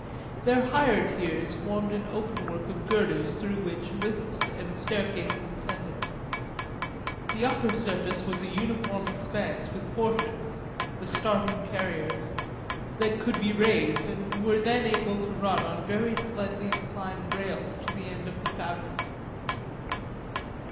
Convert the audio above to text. Their higher tiers formed an openwork of girders through which lifts and staircases ascended. The upper surface was a uniform expanse, with portions the starting carriers that could be raised and were then able to run on very slightly inclined rails to the end of the fabric.